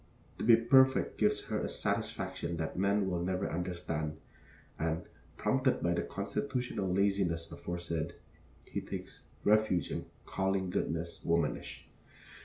To be perfect gives her a satisfaction that man will never understand; and, prompted by the constitutional laziness aforesaid, he takes refuge in calling goodness womanish.